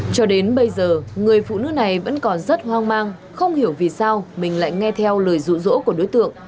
cho đến bây giờ người phụ nữ này vẫn còn rất hoang mang không hiểu vì sao mình lại nghe theo lời rụ rỗ của đối tượng